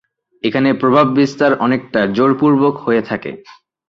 এখানে প্রভাব বিস্তার অনেকটা জোর পূর্বক হয়ে থাকে।